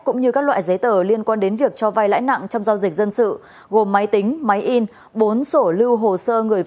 cũng như các loại giấy tờ liên quan đến việc cho vay lãi nặng trong giao dịch dân sự